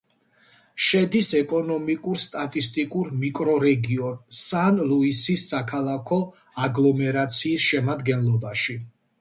შედის ეკონომიკურ-სტატისტიკურ მიკრორეგიონ სან-ლუისის საქალაქო აგლომერაციის შემადგენლობაში.